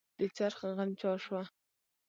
د څرخ غنجا شوه.